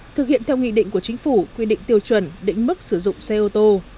thực hiện theo nghị định của chính phủ quy định tiêu chuẩn định mức sử dụng xe ô tô